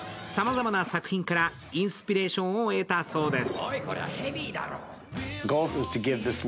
さまざまな作品からインスピレーションを得たそうです。